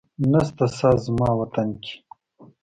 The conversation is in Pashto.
نسته ساه زما وطن کي